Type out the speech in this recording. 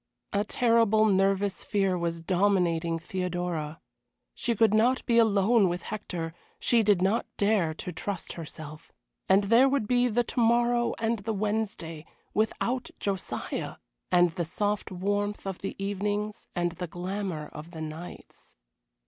A terrible nervous fear was dominating Theodora. She could not be alone with Hector, she did not dare to trust herself. And there would be the to morrow and the Wednesday without Josiah and the soft warmth of the evenings and the glamour of the nights.